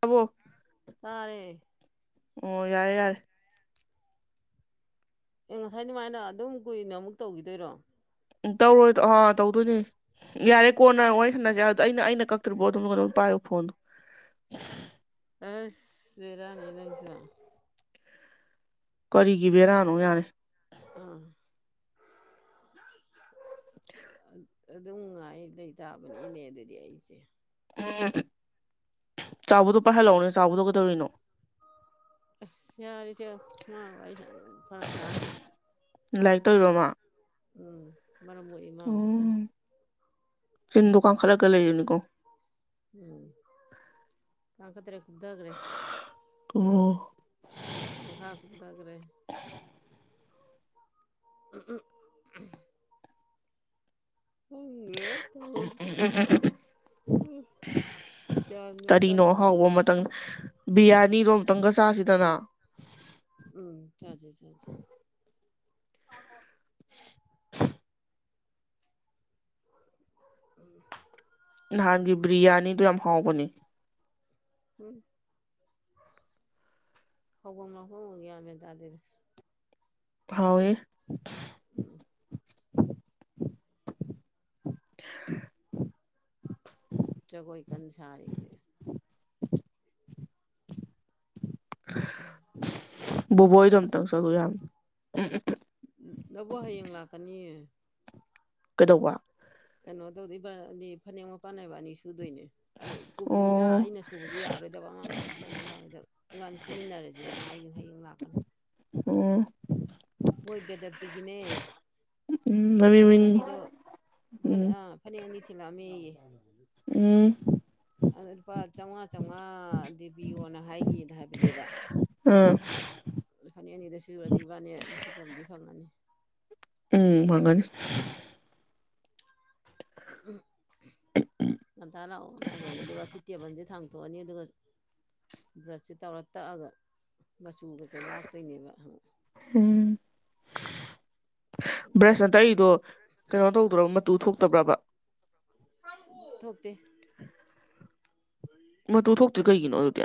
ꯇꯕꯣ ꯇꯔꯦ ꯑꯣ ꯌꯥꯔꯦ ꯌꯥꯔꯦ ꯑꯦ ꯉꯁꯥꯏ ꯑꯗꯨꯃꯥꯏꯅ ꯑꯗꯨꯝ ꯀꯨꯏꯅ ꯑꯃꯨꯛ ꯇꯧꯈꯤꯗꯣꯏꯔꯣ ꯎ ꯇꯧꯔꯣꯏꯗꯣ ꯑꯥ ꯇꯧꯗꯣꯏꯅꯦ ꯌꯥꯔꯦ ꯀꯣꯟꯅ ꯋꯥꯔꯤ ꯁꯥꯟꯅꯁꯦꯔ ꯑꯗꯣ ꯑꯩꯅ ꯑꯩꯅ ꯀꯛꯇ꯭ꯔꯤꯕꯣ ꯑꯗꯨꯝ ꯀꯩꯅꯣꯝ ꯄꯥꯏꯌꯣ ꯐꯣꯟꯗꯣ ꯑꯁ ꯔꯥꯅꯤ ꯅꯪꯁꯨ ꯀꯔꯤꯒꯤ ꯕꯔꯥꯅꯣ ꯌꯥꯔꯦ ꯑꯥ ꯑ ꯑꯗꯨꯝ ꯉꯥꯏ ꯂꯩꯇꯥꯥꯕꯅꯤ ꯏꯅꯦ ꯑꯗꯨꯗꯤ ꯑꯩꯁꯦ ꯎꯝ ꯆꯥꯕꯗꯣ ꯄꯥꯏꯍꯜꯂꯛꯑꯣꯅꯦ ꯆꯥꯕꯗꯣ ꯀꯩꯗꯧꯔꯤꯅꯣ ꯁꯔꯤ ꯆ ꯃꯕ ꯐꯔꯛ ꯇꯥꯅꯤ ꯂꯥꯏꯔꯤꯛ ꯇꯧꯔꯣꯃ ꯎꯝ ꯃꯔꯔꯝ ꯃꯣꯏ ꯃꯥꯡꯂꯤꯒꯅꯤ ꯆꯤꯟ ꯗꯨꯀꯥꯟ ꯈꯔꯒ ꯂꯩꯅꯤꯀꯣ ꯎꯝ ꯇꯥꯡ ꯈꯛꯇꯔ ꯀꯊꯈ꯭ꯔꯦ ꯑꯣ ꯃꯈꯥ ꯀꯨꯞꯊꯈ꯭ꯔꯦ ꯎ ꯎ ꯎ ꯎ ꯎ ꯎ ꯇꯧꯔꯤꯁꯦ ꯎ ꯒ꯭ꯌꯥꯟ ꯃꯦꯟ ꯀꯔꯤꯅꯣ ꯍꯥꯎꯕ ꯇꯥꯁꯜꯂꯛꯇ꯭ꯔꯦ ꯑꯃꯇꯪ ꯕꯤꯔꯌꯥꯅꯤꯗꯣ ꯑꯨꯇꯪꯒ ꯆꯥꯁꯤꯗꯅ ꯎꯝ ꯍ ꯍ [inaudible] ꯎꯝ ꯅꯍꯥꯟꯒꯤ ꯕꯤ꯭ꯔꯌꯥꯅꯤꯗꯣ ꯌꯥꯝ ꯍꯥꯎꯕꯅꯦ ꯎꯝ ꯍꯧꯕꯅ ꯍꯒ ꯇꯗꯅꯦ ꯍꯥꯎ ꯎꯝ [inaudible] [inaudible] ꯆꯒꯣꯏ ꯀꯟꯖꯥꯔꯤ ꯔꯦ ꯎꯝ ꯕꯣꯏ ꯆꯝ ꯇꯧ ꯁꯒꯣꯏ ꯌꯥꯝꯝ ꯎ ꯅ ꯍꯥꯏꯌꯦꯡ ꯂꯥꯛꯒꯅꯤ ꯀꯩꯗꯧꯕ ꯀꯩꯅꯣ ꯇꯧꯗꯣꯏꯕ ꯑꯅꯤ ꯐꯅꯦꯛꯃꯛ ꯄꯥꯟꯅꯩꯕ ꯑꯅꯤ ꯁꯨꯗꯣꯏꯅꯦ ꯑꯗꯣ ꯏ ꯀꯨꯝꯅꯤꯅ ꯑꯣ ꯑꯩꯅ ꯁꯨꯕꯁꯨ ꯌꯥꯔꯔꯣꯏꯗꯕ ꯑꯉꯥꯡ ꯑꯃꯇ ꯇꯧꯕꯁꯨ ꯌꯥꯔꯣꯏꯗꯕ ꯏꯕꯥꯅꯤ ꯁꯨꯃꯤꯟꯅꯔꯁꯦꯅ ꯍꯥꯏꯒꯅꯤ ꯍꯌꯦꯡ ꯂꯥꯛꯀꯅꯤ ꯎꯝ ꯃꯣꯏ ꯕꯦꯗꯞꯇꯤꯒꯤꯅꯦ ꯎꯝ ꯃꯃꯤ ꯐꯅꯦꯛ ꯃꯤꯡ ꯑꯅꯤꯗꯣꯦꯛ ꯎꯝ ꯐꯅꯦꯛ ꯑꯅꯤ ꯊꯤꯜꯂꯛꯑꯃꯤ ꯎꯝ ꯑ ꯂꯨꯄꯥ ꯆꯥꯝꯃꯉꯥ ꯆꯥꯝꯃꯉꯥꯗꯤ ꯄꯤꯌꯣꯅ ꯍꯥꯏꯒꯅ ꯍꯥꯏꯕꯅꯦꯕ ꯑ ꯂꯨꯄꯥꯅꯤ ꯑꯅꯤꯗ ꯁꯨꯔꯗꯤ ꯏꯕꯥꯅꯤꯁꯤꯡ ꯐꯪꯃꯅꯤ ꯎꯝ ꯐꯒꯅꯤ ꯎꯝ ꯃ ꯇ ꯂꯑꯣ ꯀꯦ ꯑꯗꯨꯒ ꯆꯠꯇꯦꯕꯟꯗꯤꯦ ꯊꯥꯡꯪꯦ ꯇꯣꯛꯑꯅꯤ ꯑꯗꯨꯒ ꯕ꯭ꯔꯁꯁꯦ ꯇꯧꯔ ꯇꯛꯑꯒ ꯃꯆꯨ ꯀꯩꯀꯩ ꯂꯥꯛꯇꯣꯏꯅꯦꯕ ꯎꯝ ꯕ꯭ꯔꯁ ꯅꯠꯇꯏꯗꯣ ꯀꯩꯅꯣ ꯇꯧꯗ꯭ꯔ ꯇꯨ ꯊꯣꯛꯇꯕ꯭ꯔꯕ ꯊꯣꯛꯀꯦ ꯃꯇꯨ ꯊꯣꯛꯇ꯭ꯔꯤ ꯀꯩꯒꯤꯅꯣ ꯑꯗꯨꯗꯤ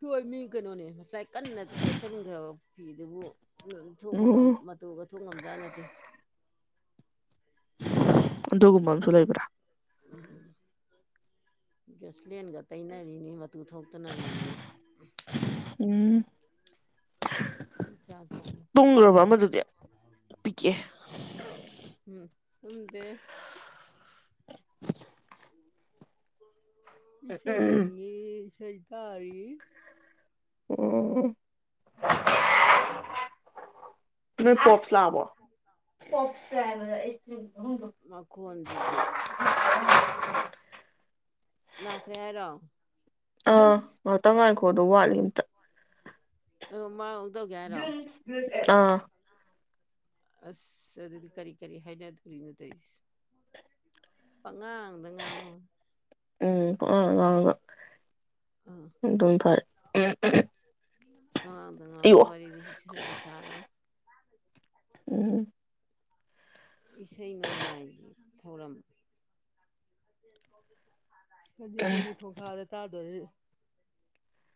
ꯇꫭ ꯃꯤ ꯀꯩꯅꯣꯅꯦ ꯉꯁꯥꯏ ꯀꯟꯅ ꯌꯩꯁꯟꯈ꯭ꯔꯕ ꯏꯗꯨꯕꯨ ꯎ ꯊꯣꯛꯄ ꯉꯝ ꯎꯝ ꯃꯇꯨꯒ ꯊꯣꯛ ꯉꯝꯖꯠ ꯅꯠꯇꯦ ꯑꯗꯨꯒꯨꯝꯕ ꯑꯃꯁꯁꯨ ꯂꯩꯕ꯭ꯔꯥ ꯎꯝ ꯌꯦꯁ ꯂꯦꯟꯒ ꯇꯩꯅꯔꯤꯅꯤ ꯃꯇꯨ ꯊꯣꯛꯇꯅꯕꯅ ꯎꯝ ꯆꯥꯛ ꯊꯣꯡ ꯇꯨꯡꯒ꯭ꯔꯕ ꯑꯃꯗꯨꯗꯤ ꯄꯤꯛꯑꯦ꯫ ꯉꯤ ꯎꯝ ꯇꯨꯝꯗꯦ [inaudible] ꯏꯁꯩ ꯎꯝ ꯌꯦꯡꯉꯤ ꯏꯁꯩ ꯇꯥꯔꯤ ꯑꯣ ꯎꯝ ꯅ ꯄꯣꯞꯁ ꯂꯥꯛ ꯑꯥꯕꯣ ꯀꯩ ꯍꯥꯌꯕꯅꯤ ꯑꯩꯁ ꯗꯤ ꯃꯈꯣꯟꯁꯤꯗꯤ ꯂꯥꯛꯈ꯭ꯔꯦ ꯍꯥꯏꯔꯣ ꯑꯥ ꯉꯥꯛꯇ ꯉꯥꯏꯈꯣ ꯑꯗꯨꯣ ꯋꯥꯠꯂꯤ ꯑꯝꯇ ꯃꯥ ꯇꯧꯒꯦ ꯍꯥꯏꯔꯣ ꯑꯥ ꯑꯁ ꯑꯗꯨꯗꯤ ꯀꯔꯤ ꯀꯔꯤ ꯍꯥꯏꯅꯗꯣꯔꯤꯅꯣ ꯇꯁ ꯑ ꯉꯥꯡꯗ ꯉꯥꯡꯉꯣ ꯎꯝ ꯑꯉ ꯑꯗꯨꯝ ꯐꯔ ꯎꯝ ꯊꯉꯗꯉꯉ ꯋꯥꯔꯤ ꯋꯥꯔꯤꯗꯤ ꯄꯨꯗ ꯁꯔꯣ ꯎꯝ ꯏꯁꯩ ꯅꯣꯡꯃꯥꯏ ꯊꯧꯔꯝ [inaudible] ꯈꯖꯤ ꯊꯣꯒꯤ ꯊꯣꯈꯥꯔꯦ ꯇꯥꯗꯣꯔꯤ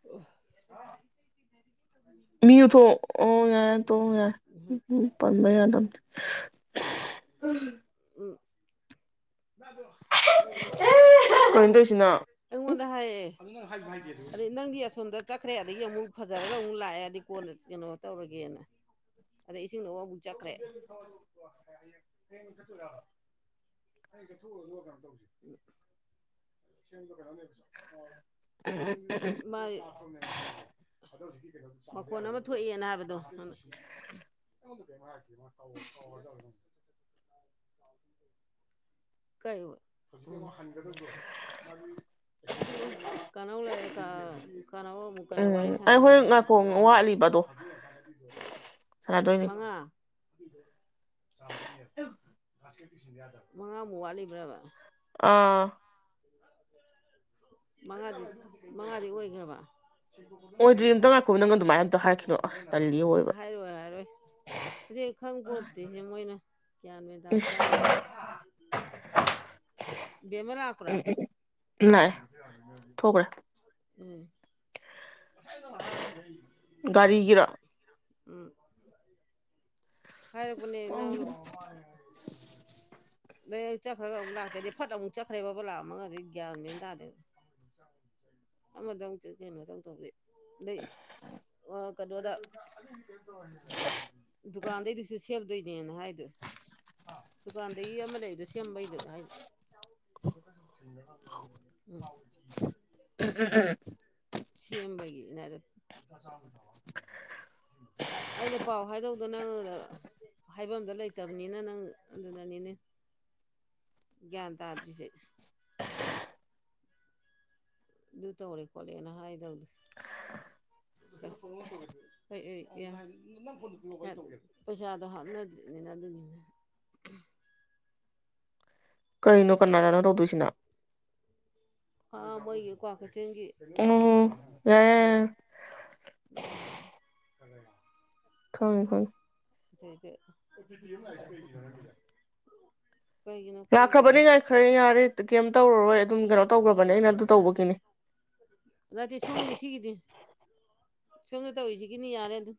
ꯑꯣ ꯃꯤ ꯎꯊꯣ ꯑꯣ ꯌꯥ ꯇ ꯌꯥ ꯄꯕ ꯌꯥ ꯎꯝ ꯎ ꯀꯩꯅꯣ ꯇꯧꯔꯤꯁꯤꯅ ꯑꯩꯉꯣꯟꯗ ꯍꯥꯏꯌꯦ ꯑꯗꯩ ꯅꯪꯗꯤ ꯑꯁꯣꯝꯗ ꯆꯈꯅꯦꯦ ꯑꯗꯒꯤ ꯑꯃꯨꯛ ꯐꯖꯔꯒ ꯑꯃꯨꯛ ꯂꯥꯛꯑꯦ ꯑꯗꯒꯤ ꯀꯣꯟꯅ ꯀꯩꯅꯣ ꯇꯧꯔꯒꯦꯅ ꯑꯗ ꯏꯁꯤꯡꯗ ꯋꯥ ꯑꯃꯕꯨꯨꯛ ꯆꯠꯈ꯭ꯔꯦ ꯊ ꯇꯁꯤ ꯑꯗꯣ ꯍꯧꯖꯤꯛꯀꯤ ꯃꯈꯣꯟ ꯑꯃ ꯊꯣꯛꯑꯦꯅ ꯍꯥꯏꯕꯗꯣ ꯀꯧꯔꯗꯧꯔꯕꯅꯤ ꯥ [inaudible] ꯀꯩ ꯀꯥꯟ ꯂꯩ ꯀꯥꯟ ꯑꯃꯨꯛ ꯀꯥꯟ ꯎꯝ ꯋꯥꯔꯤ ꯑꯩ ꯍꯣꯔꯦꯟ ꯁꯥꯟꯅꯣ ꯉꯥꯏꯈꯣ ꯋꯥꯠꯂꯤꯕ ꯑꯗꯣ ꯁꯥꯟꯅꯗꯣꯏꯅꯤ ꯃꯉꯥ ꯑꯗꯨꯗ ꯆꯗꯔꯤ ꯈꯥꯁꯀꯤ ꯏꯁꯤꯅꯦꯅꯤ ꯑꯗꯕ ꯃꯉꯥꯃꯨꯛ ꯋꯥꯠꯂꯤꯕ꯭ꯔꯕ ꯑꯥ ꯃꯉꯥꯗꯤ ꯃꯉꯥꯗꯤ ꯑꯣꯏꯈ꯭ꯔꯕ ꯑꯣꯏꯗ꯭ꯔꯤ ꯑꯝꯇ ꯉꯥꯏꯈꯣ ꯅꯪ ꯑꯗꯨꯃꯥꯏꯅ ꯑꯝꯇ ꯍꯥꯏꯔꯛꯈꯤꯅꯣ ꯑꯁ ꯇꯜꯂꯤ ꯑꯣꯏꯕ ꯍꯥꯏꯔꯣꯏ ꯍꯥꯏꯔꯣꯏ ꯍꯧꯖꯤꯛ ꯈꯪ ꯄꯣꯠꯇꯠꯇꯦꯦ ꯃꯣꯏꯅ ꯒ꯭ꯌꯥꯟ ꯑꯣꯏꯅ ꯇꯥꯕ ꯆꯥꯅꯠꯇꯦ ꯃꯦꯃꯥ ꯂꯄ꯭ꯔꯥ ꯂꯥꯛꯑꯦ ꯊꯣꯛꯈ꯭ꯔꯦ ꯎꯝ ꯑꯁꯅ ꯒꯥꯔꯤꯒꯤꯔ ꯎꯝ ꯍꯥꯏ ꯔꯛ ꯄꯥꯅꯦ ꯅꯪ ꯅꯥ ꯂꯩ ꯆꯠꯈ꯭ꯔꯒ ꯑꯃꯨꯛ ꯂꯥꯛꯇꯦꯗꯤ ꯐꯠ ꯑꯃꯨꯛ ꯆꯠꯈ꯭ꯔꯦꯕ ꯂꯥꯛꯑꯝꯃꯒꯗꯤ ꯒ꯭ꯌꯥꯟ ꯃꯦꯟ ꯇꯥꯗꯦꯕ ꯑꯃꯗ ꯑꯃꯨꯛ ꯆꯇꯀ ꯈꯤ ꯑꯃꯗ ꯑꯃꯨꯛ ꯇꯧꯗꯕꯗꯤ ꯂꯩ ꯀꯗꯣꯗ ꯗꯨꯀꯥꯟꯗꯁꯨ ꯈꯦꯞꯗꯣꯏꯅꯦꯅ ꯍꯥꯏꯗꯨ ꯗꯨꯀꯥꯟ ꯑꯗꯩ ꯑꯃ ꯂꯩꯗꫭ ꯁꯦꯝꯕꯩꯗꯨ ꯍꯥꯏ ꯂ ꯁꯦꯝꯕꯒꯤꯅꯗ ꯑꯩꯅ ꯄꯥꯎ ꯍꯥꯏꯗꯧꯗꯣ ꯅꯪ ꯍꯥꯏꯐꯝꯗꯣ ꯂꯩꯇꯕꯅꯤꯅ ꯅꯪ ꯑꯗꯨꯗꯅꯤꯅꯦ ꯒ꯭ꯌꯥꯟ ꯇꯥꯗ꯭ꯔꯤꯁꯦ ꯑꯗꯨ ꯇꯧꯔꯦ ꯈꯣꯠꯂꯦꯅ ꯍꯥꯏꯗꯧꯗ ꯍ ꯄꯩꯁꯥꯗꯣ ꯍꯥꯞꯅꯗ꯭ꯔꯤꯅꯤꯅ ꯑꯗꯨꯅꯤꯅ ꯀꯔꯤꯅꯣ ꯀꯅꯥꯗꯥꯅꯣ ꯇꯧꯗꯣꯏꯁꯤꯅ ꯍꯥ ꯃꫭꯏꯒꯤ ꯀꯋꯥꯀꯩ ꯊꯦꯜꯒꯤ ꯎꯝ ꯌꯥꯔꯦ ꯌꯥꯔꯦ ꯎꯝ [unintelligible] ꯍꯪ ꯍꯣꯏ ꯑꯗꯨ ꯑꯗꯨ ꯑꯣꯗꯤꯌ ꯑꯃ ꯂꯩꯥꯛꯁꯤꯩꯒꯤꯅꯅꯖ ꯂꯥꯛꯈ꯭ꯔꯕꯅꯤ ꯉꯥꯏꯈ꯭ꯔꯦ ꯌꯥꯔꯦ ꯀꯩꯝ ꯇꯧꯔꯔꯣꯏ ꯑꯗꯨꯝ ꯀꯩꯅꯣ ꯇꯧꯈ꯭ꯔꯕꯅꯤ ꯑꯩꯅ ꯑꯗꯨ ꯇꯧꯕꯒꯤꯅꯤ ꯁꯨꯝꯅ ꯇꯧꯔꯤꯁꯤꯒꯤ ꯌꯥꯔꯦ ꯑꯗꯨ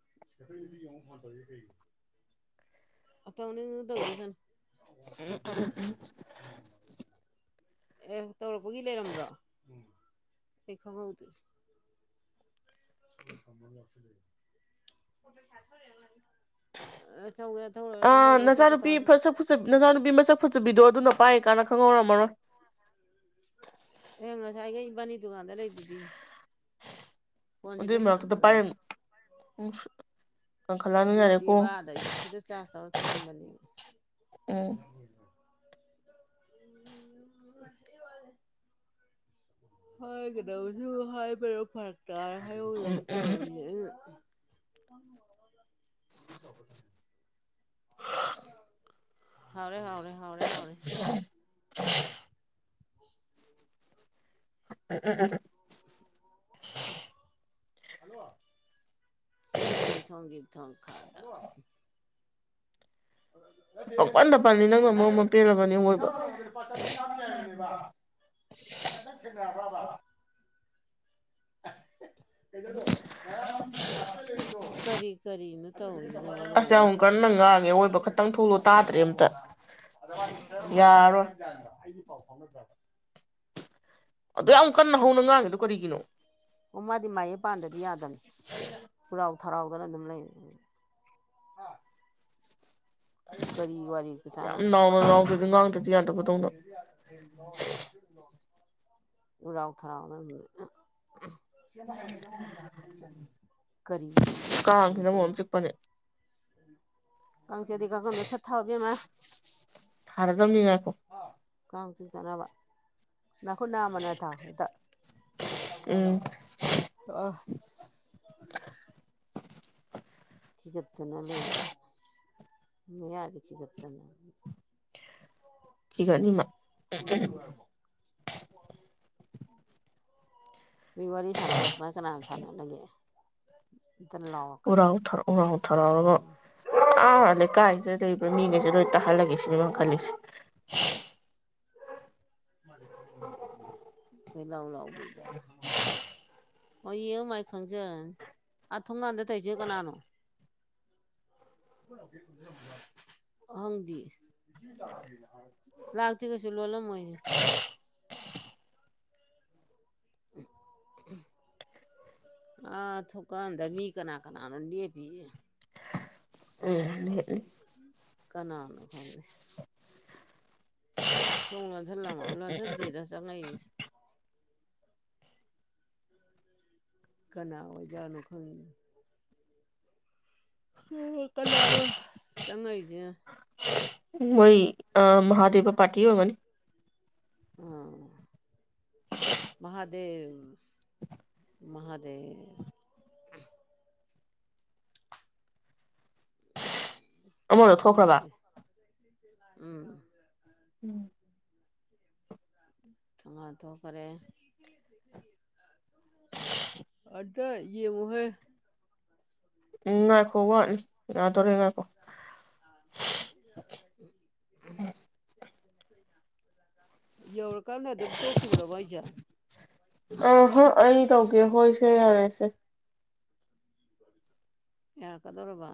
ꯇꯧꯅꯤꯡ ꯉꯥ ꯇꯧꯖꯥ ꯁꯥꯅꯨ ꯑꯦ ꯇꯧꯔꯛꯄꯒꯤ ꯂꯩꯔꯝꯕ꯭ꯔꯣ ꯑꯩ ꯈꯪꯍꯧ ꯗꯔ꯭ꯦ ꯑꯁ ꯊꯣꯛꯄ ꯅꯆꯥꯅꯨꯄꯤ ꯇꯧꯔꯁꯤ ꯃꯁꯛ ꯅꯆꯥꯅꯨꯄꯤ ꯃꯁꯛ ꯐꯖꯕꯤꯗꯣ ꯑꯗꯨꯅ ꯄꯥꯏ ꯀꯥꯟꯅ ꯈꯪꯍꯧꯔꯝꯃꯔꯣꯏ ꯑꯦ ꯉꯁꯥꯏꯒꯩ ꯏꯕꯥꯅꯤ ꯗꯨꯀꯥꯟꯗ ꯂꯩꯗꯨꯗꯤ ꯐꯣꯟꯁꯤꯗ ꯑꯗꯨꯏ ꯃꯔꯛ ꯇꯨꯗꯥ ꯊꯅꯝꯃꯒ ꯄꯥꯏꯔꯝ ꯃꯅꯤ꯫ ꯕꯨ ꯗꯦꯕ ꯑꯗꯩ ꯁꯤꯗ ꯆꯥꯔꯖ ꯇꯧꯔ ꯊꯝꯅꯝꯕꯅꯤ ꯎꯝ ꯎꯝ ꯍꯥꯏꯒꯗꯕꯁꯨ ꯍꯥꯏꯕꯅꯥ ꯐꯔꯦ ꯇꯔ ꯍꯥꯏꯌꯨꯣ ꯎꯝ ꯎꯝ ꯇꯧꯔꯤꯁꯦ ꯑꯩꯅ [inaudible] [unintelligible] ꯍꯥꯎꯔꯦ ꯍꯥꯎ ꯍꯥꯔꯦ ꯍꯥꯎꯔꯦ [inaudible] ꯎ ꯎꯝꯝ ꯍꯜꯂꯣ ꯁꯖꯦ ꯍꯣꯡꯗꯦ ꯊꯣꯡ ꯈꯥꯗ ꯄꯪꯄꯟꯗ ꯄꯜꯅꯤ ꯅꯪꯅ ꯑꯃ ꯑꯃ ꯄꯦꯜꯔꯕꯅꯤ ꯍꯣꯏꯕ [inaudible] ꯀꯔꯤꯅꯣ ꯗ ꯑꯁ ꯌꯥꯝ ꯀꯟꯅ ꯉꯥꯡꯉꯦ ꯑꯋꯣꯏꯕ ꯈꯇꯪ ꯊꯣꯛꯂꯣ ꯇꯥꯗ꯭ꯔꯦ ꯑꯝꯇ ꯌꯥꯔꯔꯣꯏ ꯑꯗꯣ ꯌꯥꯝ ꯀꯟꯅ ꯍꯧꯅ ꯉꯥꯡꯉꯤꯗꯣ ꯀꯔꯤꯒꯤꯅꯣ ꯑꯣ ꯃꯥꯗꯤ ꯃꯌꯦ ꯄꯥꯟꯗꯗꯤ ꯌꯥꯗꯅ ꯍꯂꯥꯎ ꯊꯔꯥꯎꯗꯅ ꯑꯗꯨꯝ ꯂꯩ ꯀꯔꯤ ꯋꯥꯔꯤꯔꯤ ꯀꯁꯅ ꯌꯥꯝ ꯅꯥꯎꯅ ꯅꯥꯎꯗꯗꯤ ꯉꯥꯡꯗꯗꯤ ꯌꯥꯗꯕꯗꯧꯅ ꯎ ꯔ ꯎꯥꯎꯊꯔꯗ ꯀꯔꯤ ꯀꯥꯡꯁꯤꯅ ꯃꯔꯣꯝ ꯆꯤꯛꯄꯅꯦ ꯀ ꯗꯤ ꯀ ꯀꯅ ꯁꯊꯥ ꯍꯧꯒꯦ ꯃꯥ ꯁꯥꯔꯗ ꯅ ꯌꯥꯈꯣ ꯊꯅꯕ ꯅꯅꯥꯈ ꯅꯥ ꯑꯃꯅ ꯊꯥꯎꯦꯗ ꯎꯝ ꯑ [inaudible] ꯆꯤꯞ ꯇꯅ ꯂꯩ ꯌꯥꯗ ꯆꯤ ꯇꯅꯦ ꯊꯤꯀ ꯃ ꯃꯤ ꯋꯥꯔꯤ ꯋꯥꯔꯤ ꯁꯅꯁ ꯃꯥ ꯀꯅꯥꯅ ꯁꯅ ꯂꯒꯦ ꯎꯔꯥꯎꯊꯔ ꯎꯔꯥꯎꯊꯔꯛꯔꯒ ꯑꯥ ꯂꯩꯀꯥꯏꯁꯤꯗ ꯂꯩꯕ ꯃꯤꯒꯩ ꯔꯣꯏ ꯇꯥꯍꯂꯒꯦ ꯁꯤꯗꯃ ꯀ ꯎꯝ ꯀꯣꯏ ꯂ ꯂꯎ ꯄꯗ ꯍ ꯌꯦꯡꯉꯨꯃꯥꯏ ꯈꯪꯖꯔꯅꯤ ꯑꯥ ꯊꯣꯡꯒꯥꯟꯗ ꯇꯧꯁ ꯀꯅꯥꯅꯣ ꯑꯍꯪꯗꯤ ꯂꯥꯛꯇ꯭ꯔꯤ ꯀꯩꯁꯨ ꯂꯣꯜꯂꯝꯃꯣꯏꯍ ꯑꯥ ꯊꯨꯀꯗ ꯃꯤ ꯀꯅꯥ ꯀꯅꯥ ꯂꯣꯗꯦ ꯄꯤꯌꯦ ꯎꯝ ꯀꯅꯥꯅꯣ ꯈꯪꯦ ꯊꯣꯡ ꯂꯣꯟꯁꯟ ꯂꯝꯃ ꯂꯣꯟꯁꯨꯔ ꯗꯦꯗ ꯆ ꯉꯥꯏ ꯀꯅꯥ ꯑꯣꯖꯥꯠꯅꯣ ꯈꯪꯉꯤ ꯍ ꯀꯂꯔꯣꯏ ꯆꯪꯉꯏꯁꯦ ꯋꯥꯣꯏ ꯑ ꯃꯥꯗꯦꯕ ꯄꯥꯇꯤ ꯑꯣꯏꯒꯅꯤ ꯑ ꯃꯍꯥꯗ ꯗ ꯃꯍꯥꯗ ꯑꯃꯗꯣ ꯊꯣꯛꯈ꯭ꯔꯕ ꯈꯪꯗꯦ ꯎꯝ ꯎꯝ ꯊꯧꯉꯅꯥꯊꯣꯛꯈꯔꯦ ꯑꯗꯨ ꯇꯣ ꯌꯦꯡꯉꯨꯍꯣꯏ ꯎ ꯉꯈꯣ ꯋꯥꯅꯤ ꯉꯥꯗꯔ ꯉꯈꯣ ꯎꯝ ꯌꯧꯛ ꯑ ꯍ ꯑꯩ ꯇꯧꯒꯦ ꯍꯣꯏꯁꯦ ꯌꯥꯔꯦꯁꯦ ꯌꯥꯔꯛꯀꯗꯧꯔꯕ